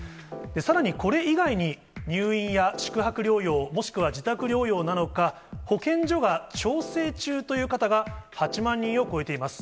さらにこれ以外に、入院や宿泊療養、もしくは自宅療養なのか、保健所が調整中という方が８万人を超えています。